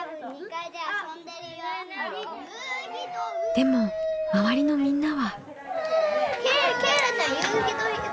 でも周りのみんなは。